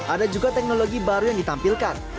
ada juga teknologi baru yang ditampilkan